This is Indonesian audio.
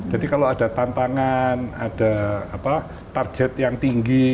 jadi kalau ada tantangan ada target yang tinggi